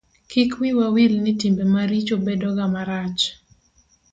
kik wiwa wil ni timbe maricho bedo ga marach